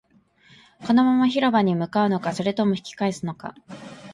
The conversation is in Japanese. このまま広場に向かうのか、それとも引き返すのか